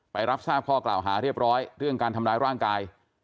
รับทราบข้อกล่าวหาเรียบร้อยเรื่องการทำร้ายร่างกาย